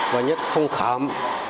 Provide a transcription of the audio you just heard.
và nhất phong khám